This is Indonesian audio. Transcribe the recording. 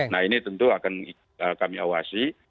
nah ini tentu akan kami awasi